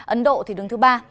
ấn độ đứng thứ ba